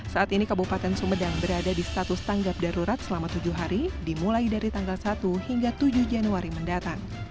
saat ini kabupaten sumedang berada di status tanggap darurat selama tujuh hari dimulai dari tanggal satu hingga tujuh januari mendatang